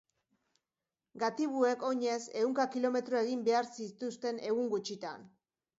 Gatibuek oinez ehunka kilometro egin behar zituzten egun gutxitan.